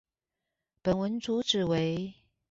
本文主旨為